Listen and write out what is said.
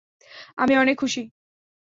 আমি অনেক খুশি।